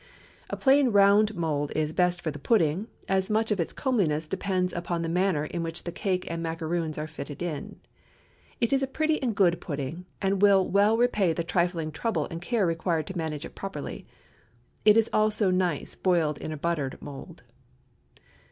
A plain round mould is best for the pudding, as much of its comeliness depends upon the manner in which the cake and macaroons are fitted in. It is a pretty and good pudding, and will well repay the trifling trouble and care required to manage it properly. It is also nice boiled in a buttered mould.